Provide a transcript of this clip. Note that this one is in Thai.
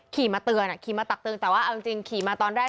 ขี่มาเตือนขี่มาตักเตือนแต่ว่าเอาจริงขี่มาตอนแรก